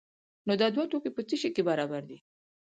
نو دا دوه توکي په څه شي کې برابر دي؟